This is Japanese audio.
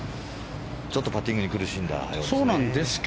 ちょっとパッティングに苦しんだようですね。